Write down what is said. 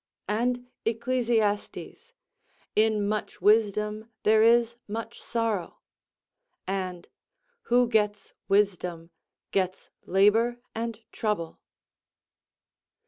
And Ecclesiastes, "In much wisdom there is much sorrow;" and "Who gets wisdom gets labour and trouble."